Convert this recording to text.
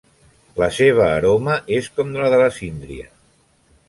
La seva aroma és com de la síndria.